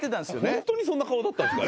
本当にそんな顔だったんですか？